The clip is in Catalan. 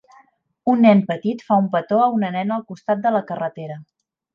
Un nen petit fa un petó a una nena al costat de la carretera.